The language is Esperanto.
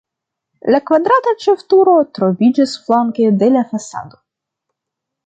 La kvadrata ĉefturo troviĝas flanke de la fasado.